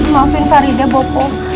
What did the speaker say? maafin faridah bopo